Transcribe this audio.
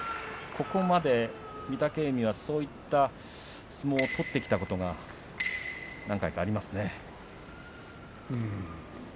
ここまで御嶽海はそういった相撲を取ってきたことが何回かありますね。